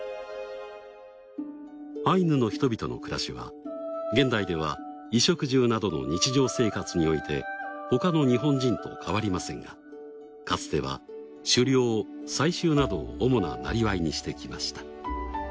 アイヌの人々の暮らしは現代では衣食住などの日常生活において他の日本人と変わりませんがかつては狩猟採集などを主ななりわいにしてきました。